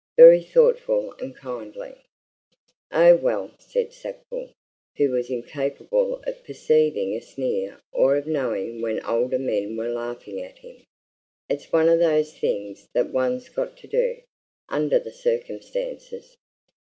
"Very thoughtful and kindly." "Oh, well!" said Sackville, who was incapable of perceiving a sneer or of knowing when older men were laughing at him. "It's one of those things that one's got to do under the circumstances.